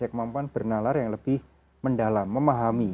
kemampuan bernalar yang lebih mendalam memahami